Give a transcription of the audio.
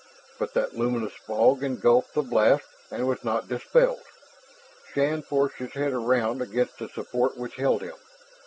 But that luminous fog engulfed the blast and was not dispelled. Shann forced his head around against the support which held him.